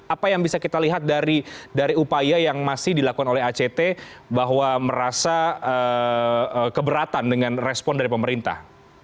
apa yang bisa kita lihat dari upaya yang masih dilakukan oleh act bahwa merasa keberatan dengan respon dari pemerintah